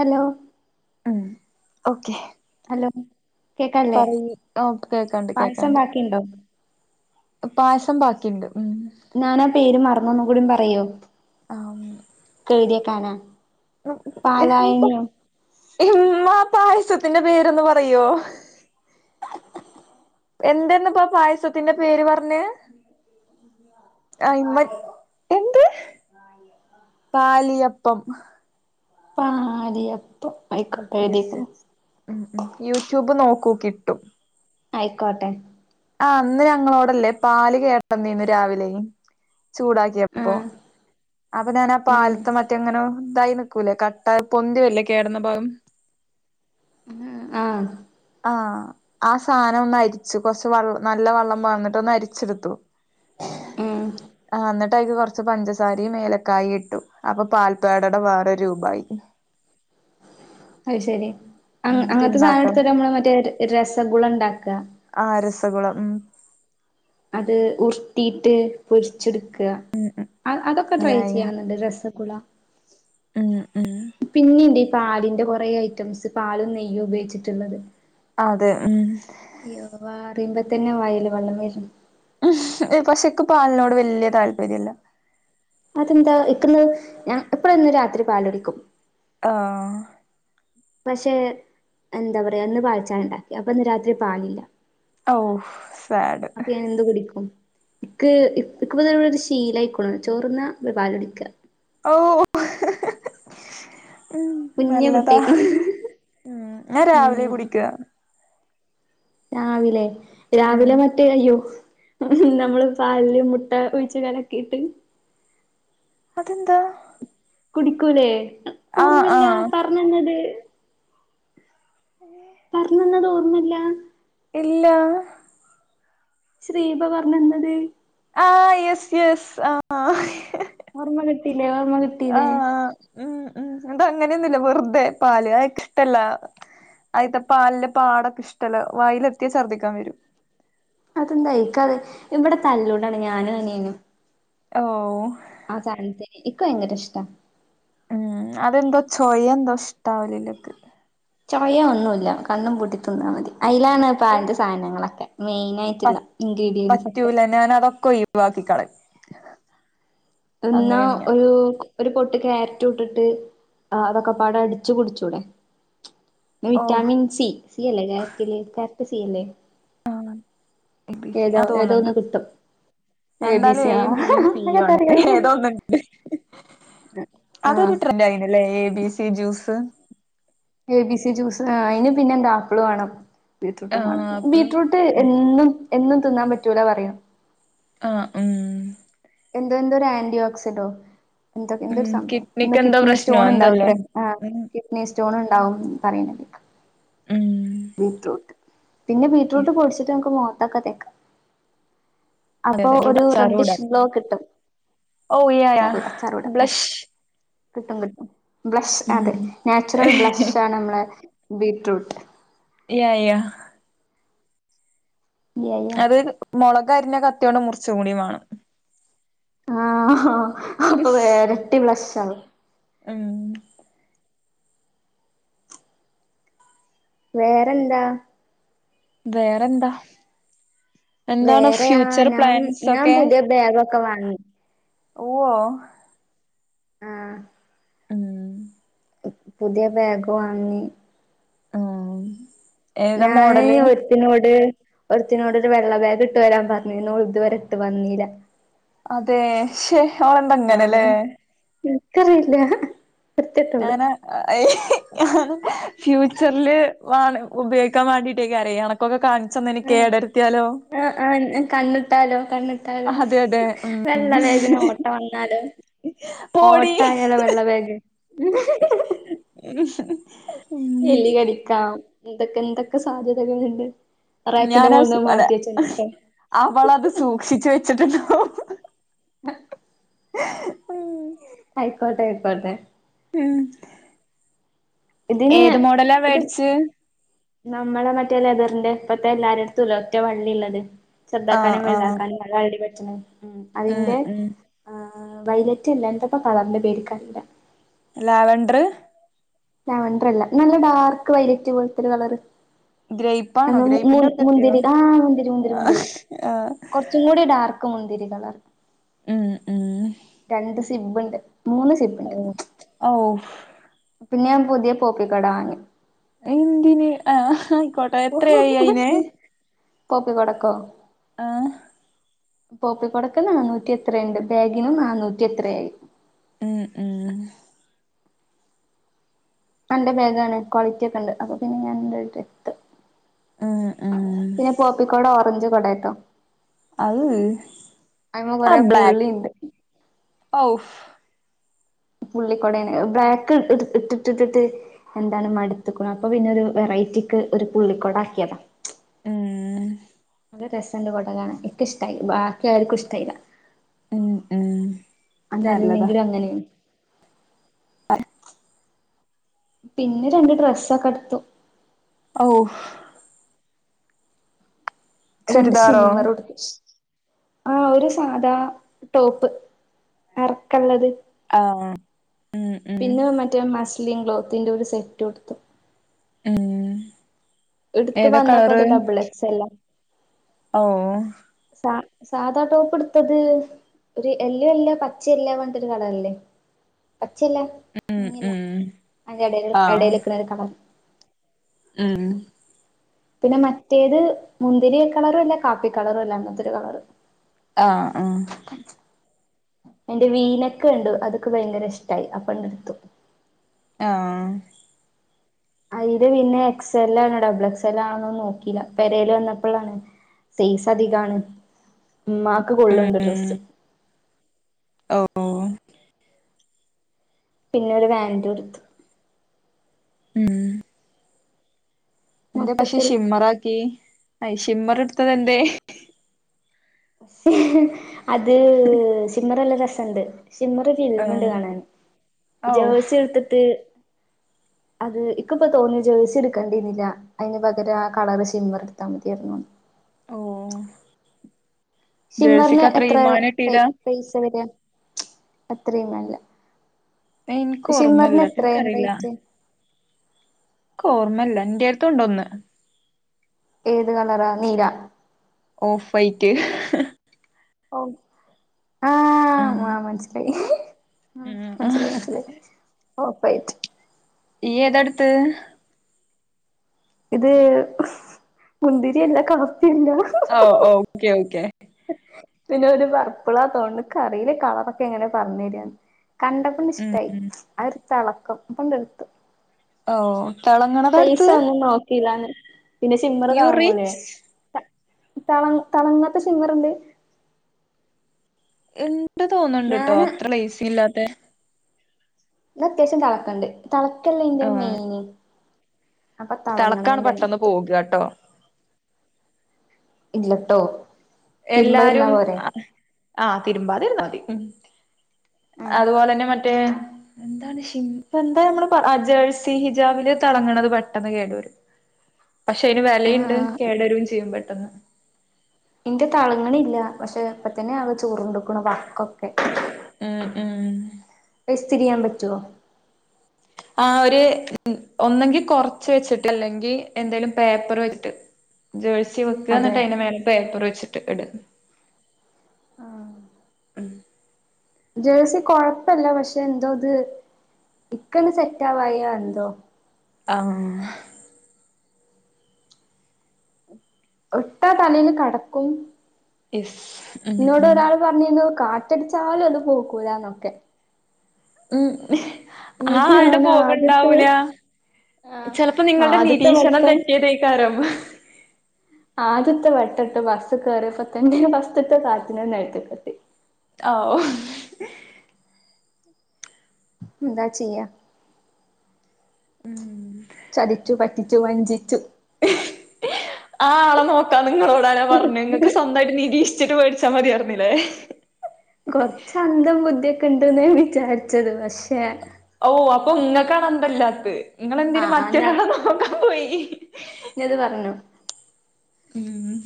Hello ഉം okay hello കേക്കല്ലേ പറയ് ഓ കേക്കാണ്ട് പായസം കേക്കാണ്ട് ബാക്കിണ്ടോ പായസം ബാക്കിണ്ട് ഉം ഞനാ പേര് മറന്നു ഒന്നുകൂടി പറയോ ആം കെടിയകാന പാലായനിയോ ഇമ്മ പായസത്തിന്റെ പേരൊന്ന് പറയോ എന്തെന്ന്പ്പൊ ആ പായസത്തിന്റെ പേര് പറഞേ ആ ഇമ്മ എന്ത് പാലിയപ്പം പാലിയപ്പ് യെസ് യെസ് ഉം ഉം യൂട്യൂബ് നോക്കൂ കിട്ടും ആയിക്കോട്ടെ ആ അന്ന് ഞങ്ങളോടല്ലേ പാല് കേടന്നീന്നു രാവിലെ ചൂടാക്കേപ്പോ ആഹ് അപ്പൊ ഞാനാ ഉം പാല്ത്തെ മറ്റേങ്ങനെ ഇതായി നിക്കൂലേ കട്ട പൊന്തി വരൂലേ, കേടന്ന പാല് ഉ ആ ആ ആ സാനം ഒന്ന് അരിച്ചു കൊറച്ച് വ നല്ല വെള്ളം പാർന്നിട്ട് ഒന്ന് അരിച്ചെടുത്തു ഉം ആ ന്ന്ട്ടയ്ക്ക് കൊറച്ച് ച് പഞ്ചസാരിയും ഏലക്കായിട്ടു അപ്പൊ പാൽപ്പേടടെ വേറെരു രൂപായി അത് ശരി അങ്ങ് ഉം അങ്ങനത്തെ സാനം തിന്നാട്ടോ ഇടുത്തിട്ടാ നമ്മള് മറ്റേ രസഗുളം ണ്ടാക്ക ആഹ് രസകുളം ഉം അത് ഉര്ട്ടീട്ട് പൊരിച്ചെടുക്ക ഉം ഉം അത് അതൊക്കെ ട്രൈ യാ യാ ചെയ്യണന്നുണ്ട്ണ്ട് രസകുള ഉം ഉം പിന്നീണ്ട് ഈ പാലിന്റെ കൊറേ ഐറ്റംസ് പാലും നെയ്യും ഉപയോഗിച്ചിട്ടുള്ളത് അതെ ഉം അയ്യോ പറിമ്പതന്നെ വയില് വെള്ളം വെര്ണ് ഉം പക്ഷേക്ക് പാലിനോട് വല്യ താല്പര്യംല്ല അതെന്താ ഇക്കന്ന് ഞാൻ എപ്പളും എന്നും രാത്രി പാലുടിക്കും ആ പക്ഷെ എന്താ പറയാ ഇന്ന് പാൽചായണ്ടാക്കി അപ്പൊ ഇന്ന് രാത്രി പാലില്ല ഓഹ് സാഡ് അപ്പൊ ഞാൻ എന്ത് കുടിക്കും ഇക്ക് ഇക്ക്ത്ബ്ടൊരു ശീലായിക്ക്ണു ചോറ്ന്ന പോയി പാലുടിക്ക ഓഹ് ഉം കുഞ്ഞ് നല്ലതാ കുട്ടിയായിക്ക്ണു ഉം ഞാൻ രാവിലെ ഉം കുടിക്ക രാവിലെ ഉം രാവിലെ മറ്റേ അയ്യോ ഉം നമ്മള് പാലില് മുട്ട ഒഴിച് കലക്കിട്ട് അതെന്താ കുടിക്കൂലേ ആഹ് ഓർമ്മല്ല ആഹ് പറഞ്ഞന്നത് ഏ പറഞ്ഞന്നത് ഓർമ്മല്ല ഇല്ല ച് ദീപ പറഞ്ഞന്നത് ആ യെസ് യെസ് ആ ഓർമ്മ കിട്ടീലെ ഓർമ്മ ആ കിട്ടീലെ ഉം ഉ അതങ്ങനെയൊന്നുല്ല വെറുതെ പാല് അയാക്ക് ഇഷ്ടല്ല ആയിത്തെ പാല്ല് പാടൊക്കെ ഇഷ്ടല വായില് എത്തിയാൽ ഛർദ്ദിക്കാൻ വരും. അതെന്തായിക്കാെ ഇവിടെ തല്ലൂടാണ് ഞാനും അനിയനും ഓ ആ സാദനത്തിന് ഇക്ഭയങ്കര ഇഷ്ട്ടാ ഉം അതെന്തോ ചോയ എന്തോ ഇഷ്ടാവല്‌ ഇല്ല ക്ക്. ചൊയഒന്നു ഇല്ല കണ് പൂട്ടി തിന്നാൽ മതി. അതിലാണ് പലിന്റെ സാധനങ്ങളൊക്കെ മെയിന ആയിട്ട് പ പറ്റൂല ഞാൻ അതൊക്കെ ഒഴിവാക്കികളയു. ഇന്നാ ഒരു ഒരു പൊട്ട് ക്യാരറ്റു ഇട്ടിട്ട് അതൊക്കെ അടിച്ചു കുടിച്ചുടെ ഓ വിറ്റാമിൻ സി സി അല്ലേ ക്യാരറ്റില് ക്യാരറ്റ് സി അല്ലേ ആ എ ബി സി ആ ഏതോ ഏതോ തോന്നുന്നുണ്ട് ഒന്ന് കിട്ടും. എബി എന്തായാലും സി എയും ആഹാ ബിയും സിയും ആണ് [unintelligible] [unintelligible] ഉ അതൊരു ട്രെൻഡറ് ആയുന്നല്ലേ A B C juice A B C juice അതിന് പിന്നെ എന്താ ആപ്പിള് വേണം ആ ബീട്രൂട്ടും വേണം അപ്പളും ബീട്രൂട്ട് എന്നും എന്നും തിന്നാൻ പറ്റൂലോ പറയും. ആ ഉം എന്തോ എന്തോ ഒരു ആന്റി ഓക്സിഡോ എന്തൊക്കെ ഉം എന്തൊരു സംഭവം എന്താ കിഡ്നിക്ക് എന്തോ കിഡ്നി പ്രശ്നോ സ്റ്റോൺ ഉണ്ടാവും എന്തല്ലേ അത്രേ ഉം എ പി സ്റ്റോൺ ഉണ്ടാവും പ റയിണ്. ഉം ബീറ്റ്റൂട്ട് പിന്നെ ബീറ്റ്റൂട്ട് യെസ് പൊടിച്ചിട്ട് ഞമ്മക്ക് മുഖത്തൊക്കെ തേക്കാം അതെ അപ്പൊ അതെ ഒരു ഇതിലോട്ട് അച്ചാറൂടാ റെഡ്ഡിഷ് ഗ്ലോ കിട്ടും ഓ യാ യാ ചറൂടെ ചാറൂ ടെ ബ്ലഷ് കിട്ടും കിട്ടും ബ്ലഷ് അതെ ഉം നാച്ചുറൽ ബ്ലഷ്ആണ് നമ്മളെ ബീറ്റ്റൂട്ട് യാ യാ യാ യാ അത് മുളക് അരിഞ്ഞ കത്തിയോണ്ട് മുറിച് കൂടിവാണം ആഹ അപ്പൊ ഇരട്ടി ബ്ലഷ് ആവും മ്മ് വേറെന്താ വേറെന്താ? എന്താണ് വേറെ ആ ഫ്യൂച്ചർ ഞാൻ പ്ലാൻസ് ഞാൻ ഒക്കെ പുതിയ ബാഗ്‌ഒക്കെവാങ്ങി ഓ വ്യ ആ ഉം പുതിയ ബാഗ് വാങ്ങി. ഉം ഏതാ ഞാന് മോഡല് ഒരു ഒരുത്തിനോട് ഒരുത്തിനോട്‌ ഒരു വെള്ള ബാഗ് ഇട്ട് വരാൻ പറഞ്ഞു ഇതുവരെ ഇട്ട് വന്നില്ല അതെ ശെ അതോണ്ടാ ഇങ്ങനെല്ലേ ഇന്ക്കറിയില്ല ഞാന് [unintelligible] ഫ്യൂച്ചറിൽ വ ഉപയോഗിക്കാൻ വേണ്ടിട്ട് അയിക്കാരേം ഇ പോ ഒക്കെ കാണിച്ചന്നതിന് ആ കേടരുത്തിയാലോ ആ ആ കണ്ണിട്ടാലോ കണ്ണ് അതെ അതെ ഉം വെളള ബേഗിന് ഓട്ടവന്നല് പോടി ഒട്ടായാലോ വെള്ളബേഗ് [unintelligible] എലി കടിക്കാം എന്തൊക്കെ എന്തൊക്കെ സാധ്യതകൾ ഉണ്ട്. റാക്കിന്റെ ഞാനാ സു മേൾന്ന്അത് അല്ല മാറ്റിയ വെച്ചെന്ന അവളത് സൂക്ഷിച്ചു വെച്ചിട്ടുണ്ടാക്കും [unintelligible] അയിക്കോട്ടെ അയിക്കോട്ടെ [inaudible] ഇതിനെ ഏത് മോഡലാ ഇത് വേടിച്ച് നമ്മളെ മറ്റേ ലെതറിന്റെ ഇപ്പത്തെ എല്ലാര എടുത്തുംല്ല ഒറ്റെ വള്ളില്ലത്. ആഹ് ചെർതക്കാനും ആഹ് വൽതാക്കാനും അതാരോടേം പറ്റ്ണ ഉം അതിന്ടെ ഉം ആ വൈലറ്റ് അല്ല എന്തപ്പആ കളറിന്റെ പേര് ഇൻക്കറീല. ലാവൻഡറ് ലാവേൺട്രല്ല നല്ല ഡാർക്ക് വൈലറ്റ് പോലത്തെരു കളറ്. ഗ്രേപ്പാണോ എന്ന മു മു ഗ്രേപ്പിന്റെ അവിടക്കെത്തിയോ മുന്തിരി. ആഹ്, മുന്തിരി, മുന്തിരി, മുന്തിരി ആഹ് കൊറ ആഹ് കൊച്ച കൂടി ഡാർക്ക് മുന്തിരി കളർ ഉം ഉം രണ്ട് സിബ്ബ്ണ്ട് മൂന്ന് സിബ ഏഹ്, ഓഹ്. പിന്നെ ഞാൻ പുതിയ പോപ്പിക്കൊട വാങ്ങി. എന്തിന്? ആ ആയിക്കോട്ടെ എത്രയായി അയിന്? പോപ്പി കൊടക്കോ? ആഹ് പോപ്പിക്കൊടക്ക് നന്നൂറ്റി എത്ര ഉണ്ട് ബാഗിനും നന്നൂറ്റി എത്രയായി മ് മ് എന്റെബേഗാണ് ക്വാളിറ്റി ഒക്കെ ഉണ്ട് അപ്പ പിന്നെ ഞാനത് എട്ത്ത്. ആ പിന്നെ പോപ്പിക്കോട ഓറഞ്ച് കൊടെട്ടോ? അഹ് അയിമ ആ കൊറെ ബ്ലെ പുള്ളിണ്ട് ഔഫ് പുള്ളിക്കൊടേണ് അത് ബ്ലാക്ക് ട് ട്ട് ട്ട്ഇണ്ട്. എന്താണ് മടുത്തുക്കുണു അപ്പൊ പിന്നെ ഒരു വെറൈറ്റിക്ക് ഒരു പുള്ളിക്കോടാക്കിയതാ. ഏ നല്ല രസണ്ട് കൊടകാണാന് ഇൻക്കിഷ്ട്ടായി ബാക്കി ആർക്കും ഇഷ്ട്ടായില്ല. ഉം ഉം നല്ലതാ അതല്ലെങ്കിലും അങ്ങനെണ് [inaudible] പിന്നെ രണ്ട് ഡ്രസ്സൊക്കെഎടുത്തു. ഔ രണ്ട് ചുരിദാറോ ഷിമ്മറുട് ആ ഒരു സാധാ ടോപ്പ് എർക്കള്ളത്. ആഹ് ഉം ഉം പിന്നെ മറ്റേ മസ്ലിം ക്ലോത്തിന്റെ ഒരു സെറ്റുടുത്തു. ഉം. ടുത്ത് ഏതാ വന്നപ്പത് കളറ് ഡബിളെക്സെല്ലാ. ആഊഹ്. സാ സാധാ ടോപ്പ്ടുത്തത്. ഒരു എല്ലൊ എല്ല പച്ചയല്ലാ പറഞിട്ട് ഒരു കളാറില്ലേ? പച്ചയല്ല ഉം മഞ്ഞല്ല ഉം അതിൻ്റെ എടേല്ക്ക്ണ ഒരു കളർ മ് പിന്നെ മറ്റേത് മുന്തിരിയ കളറും അല്ല കാപ്പി കളറും അല്ല അങ്ങൻതൊരു കളറ്. ആ ആഹ് എന്റെ വീലക്കേൻടു അതെനിക്ക് ഭയങ്കര ഇഷ്ട്ടായി അപണ്ട്ടുത്തു. ആഹ്. അയ്ടെ പിന്നെ എക്സെലാണോ ഡബിൾ എക്സെലാണോ എല്ല ആണോന്നും നോക്കില്ല പെരൽ വന്നപ്പളാണ് സൈസ് അധികാണ് ഇമ്മാക് ഉം കൊള്ള്ണ്ട് ഉം ഡ്രസ്സ്. ഓ പിന്നെ ഒരു വാലൻറു ഇട്ത്തു. ഉം എന്തെപക്ഷെ മൊത്തത്തിൽ ഷിമ്മറാക്കി അയ് ഷിമ്മർ ഇടുത്തത് എന്തേയ് അത് സിമ്മറല്ല രസണ്ട് സിമ്മറ് ൽമ്ണ്ട് ആഹ് കാണാൻ ഔ ജേഴ്സി എട്ത്തിട്ട് അത് ഇക്ക്പ്പൊ തോന്നും ജേഴ്സി എടുക്കെണ്ടിന്നില്ല അതിന് പകരം കളർ സിമ്മർ ഇടുത്താ മതിയേർന്നുന്ന് ഓ ഷിമ്മറിന് ജേഴ്സിക്ക് അത്ര എത്രേ ഈമാന പൈ കിട്ടീല പൈസ വര അത്രയൊന്നല്ല എനിക്ക് ഓർമ്മല്ല ഷിമ്മറിന് എത്രേ എനിക്കറിയില്ല റൈറ്റ്? ക്കോർമ്മല്ല ന്റെട്ത്തൂണ്ടൊന്ന് ഏത് കളറാ നീല ഓഫ് വൈറ്റ് ഓ ആഹ് ഉം ആ മനസ്സിലായി ആ മനസിലായി മനസിലായി ഓഫ് വൈറ്റ് ഇയ്യേതാട്ത്തെ?? ഇത് മുന്തിരിയല്ല ക ഓ ഓക്കെ ഓക്കെ പിന്നെ ഒരു പർപ്പിളാ തോണ്ണ് ക്കറീലേ കളറൊക്കെ എങ്ങനെ പറഞ്ഞു തരാന്ന് ഉം കണ്ടപ്പണ്ട്ഷ്ടായി ഉം ആ ഒരു തെളക്കം അപ്പണ്ട് എടുത്തു ഓ തിളങ്ങണതാ പൈസ എടുത്തത് ഒന്നും നോക്കീലാന്ന് പിന്നെ ഷിമ്മറ് യു താങ്ങൂലേ റിച്ച് തള തളങ്ങാത്തെ ഷിമ്മറ്ണ്ട്? ഇ ണ്ട് തോന്ന്ണ്ട്ട്ടോ ഞാന് അത്ര ലേസില്ലാതെ ഇത് അത്യാവശ്യം തിളക്കണ്ട് തിളക്കല്ലേ അയ്ന്റെ ആഹ് മെയിന് അപ്പൊ തളങ്ങണന്റ്ണ്ട്‌ടുത്തു കേട്ടോ ഇല്ലട്ടോ തിരുമ്പാ എല്ലാരും ഇരുന്നാ പോരെ ആ തിരുമ്പാതിരുന്നാ മതി ആ അതുപോലെന്നെ മറ്റേ എന്താണ്ഷെയ് പ്പന്താഞമ്മള് പറ ആ ജേഴ്സി ഹിജാബില് തിളങ്ങണത് പെട്ടന്ന് കേടുവരും പക്ഷെ അയ്ന് വെലയ്ണ്ട് ആ കേടരും ചെയ്യും പെട്ടെന്ന് ഇന്റെ തളങ്ങണില്ല പക്ഷെ ഇപ്പത്തന്നെ ആകെ ചുറുണ്ടുക്കുണു വക്കൊക്കെ ഉം ഉം ഇസ്തിരിയ്യാൻ പറ്റോ? ആ ഒരു ഒന്നെങ്കി കൊറച്ച് വെച്ചിട്ട് അല്ലെങ്കി എന്തേലും പേപ്പറ് വെച്ചിട്ട് ജേഴ്സി വെക്കാ അതെ ന്നിട്ട് അയ്ന്റെ മേലെ പേപ്പറ് വെച്ചിട്ട് ഇടാ ആഹ് ജേഴ്സി കൊഴപ്പല്ല പക്ഷെ എന്തോ ഇത് ഇക്കണ് സെറ്റാവായോ എന്തോ ആഹ് ഇട്ടാ തലീല് കടക്കും യെസ് മ് മ് പർഞ്ഞീനു കാറ്റട്ച്ചാലും അത് പോകൂലാന്നൊക്കെ ഉം ആ എന്നിട്ട് ആളുടെ ഞാൻ ആദ്യത്തെ പോകുണ്ടാവൂല ആഹ് ചെലപ്പോ നിങ്ങളുടെ ആദ്യത്തെ നിരീക്ഷണം വട്ടം തെറ്റിയതേ ക്കാരം [unintelligible] ആദ്യത്തെ വെട്ടട്ട് ബസ്സ് കേറിയപ്പത്തന്നെ ഫസ്റ്റ്ത്തെ കാറ്റിനെന്നെ നെൽത്ത്ക്കെത്തി ആ ഓ ന്താ ചെയ്യ ഉം ചതിച്ചു പറ്റിച്ചു വഞ്ചിച്ചു ആ ആളെ നോക്കാൻ നിങ്ങളോടാരാ പർഞ്ഞേ ങ്ങക്ക് സ്വന്തായിട്ട് നിരീക്ഷിച്ചിട്ട് വേട്ച്ചാ മതിയാർന്നിലേ? കൊർച്ച് അന്തം ബുദ്ധിയൊക്കെ ണ്ട്‌ന്നാ ഞാൻ വിചാര്ച്ചത് പക്ഷെ ഓഹ് അപ്പൊ ഇങ്ങക്കാണ് അന്തല്ലാത്ത്. ഇങ്ങളെന്തിന് ആഹ് ആഹ് ഞാൻ മറ്റൊരാളെ നോക്കാൻ പോയി ഞാനത് പറഞ്ഞു ഉം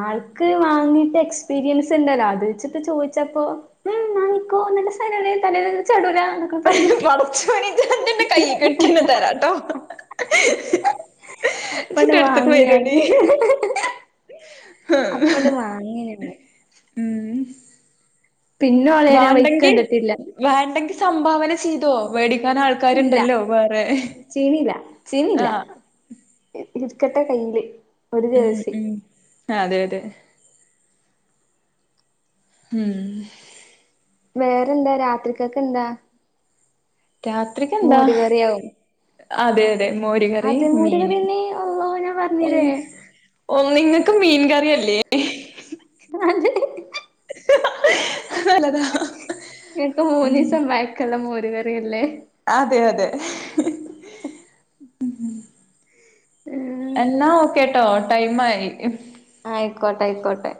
ആൾക്ക് വാങ്ങീട്ട് എക്സ്പീരിയൻസ് ഇണ്ടല്ലോ അത് വെച്ചിട്ട് ചോദിച്ചപ്പോ? [unintelligible] പടച്ചോനെ ജ്ന്തിന്റെ കയ്യികെട്ടീന്ന് തരാട്ടോ. അപ്പണ്ട് ഇജ്ജിന്റെ അടുത്ത്ക്ക് വാങ്ങിയാത് വരോടി അപ്പണ്ട് വാങ്ങേര്ന്ന്. ഉം പിന്നെ ഓളെ ഞാൻ വയ്ക്ക്ണ്ടിട്ടില്ല വേണ്ടെങ്കിൽ സംഭാവന ചെയ്തോ മേടിക്കാൻ ആൾ ഇല്ല കാര്ണ്ടല്ലോ വേറെ ആഹ്. ഇത് രിക്കട്ടെ കൈയ്യില്. ഉം ഉം അതെയതെ. ഉം.. വേറെന്താ രാത്രിക്കെക്ക് എന്താ [unintelligible] മോരുകറിയാവും. അതെയതെ മോരുകറിയും മോര് മീനും കറിയെന്നെ അള്ളോ ഞാൻ പറഞ്ഞില്ലേ ഓ നിങ്ങക്ക് മീൻ കറിയല്ലേ? [unintelligible] നല്ലതാ. ങ്ങക്ക് ഉം മൂന്നീസം പയക്കൊള്ളെ മോരുകറിയല്ലേ? അതെ അതെ ഉം ഉം എന്നാ ഓക്കെട്ടോ ടൈം ആയി ആയിക്കോട്ടെ ആയിക്കോട്ടെ.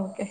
ഓക്കെ